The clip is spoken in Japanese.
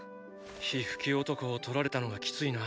火吹き男を取られたのがきついな。